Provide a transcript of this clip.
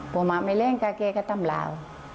พ่อมาไม่เลี้ยงก็เคยก็ทำเหล่า